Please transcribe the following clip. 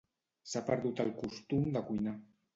S'ha perdut el costum de cuinar.